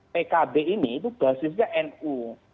pkb ini itu basisnya nu